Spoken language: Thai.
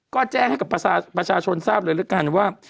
ก็แจ้งให้กับประชาชนทราบเลยแล้วกันว่า